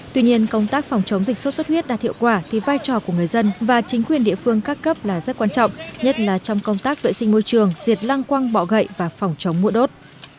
tuy nhiên công tác phòng chống dịch sốt xuất huyết đạt hiệu quả thì vai trò của người dân và chính quyền địa phương các cấp là rất quan trọng nhất là trong công tác vệ sinh môi trường diệt lăng quăng bọ gậy và phòng chống mũa đốt